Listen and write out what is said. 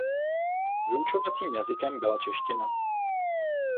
Vyučovacím jazykem byla čeština.